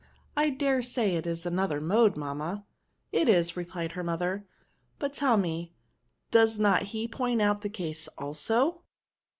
I dare say it is another mode, mamma." " It is," replied her mother ;" but, tell me, does not he point out the case also